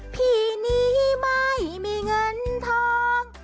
พี่นี้ไม่มีเงินทอง